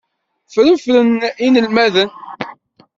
Ffṛefṛen inelmaden.